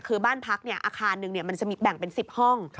คือบ้านพักอาคารหนึ่งมันจะแบ่งเป็น๑๐ห้อง